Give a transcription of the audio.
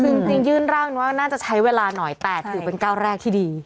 คือจริงยื่นร่างน่าจะใช้เวลาหน่อย๘หรือเป็น๙แรกที่ดี